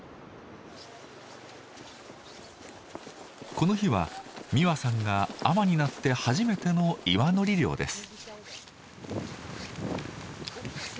この日は実和さんが海女になって初めての岩のり漁です。